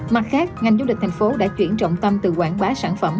mặt khác ngành du lịch thành phố đã chuyển trọng tâm từ quảng bá sản phẩm